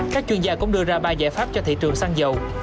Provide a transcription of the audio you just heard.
các chuyên gia cũng đưa ra ba giải pháp cho thị trường xăng dầu